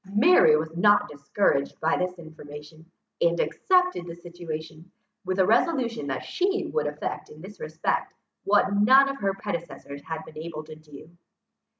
Mary was not discouraged by this information, and accepted the situation, with a resolution that she would effect in this respect, what none of her predecessors had been able to do.